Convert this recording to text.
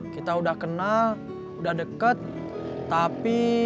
kita udah kenal udah deket tapi